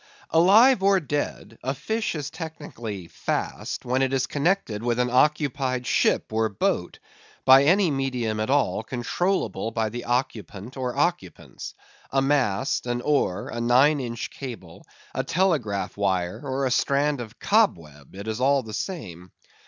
Alive or dead a fish is technically fast, when it is connected with an occupied ship or boat, by any medium at all controllable by the occupant or occupants,—a mast, an oar, a nine inch cable, a telegraph wire, or a strand of cobweb, it is all the same.